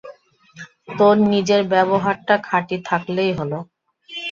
তোর নিজের ব্যবহারটা খাঁটি থাকলেই হল।